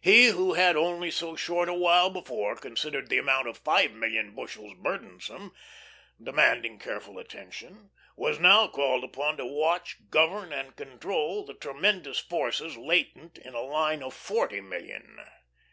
He who had only so short a while before considered the amount of five million bushels burdensome, demanding careful attention, was now called upon to watch, govern, and control the tremendous forces latent in a line of forty million.